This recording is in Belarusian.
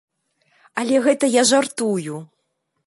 Але гэта я жартую.